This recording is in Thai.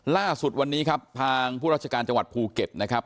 ล่าสุดวันนี้ครับทางผู้ราชการจังหวัดภูเก็ตนะครับ